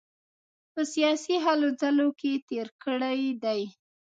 په سیاسي هلو ځلو کې تېر کړی دی.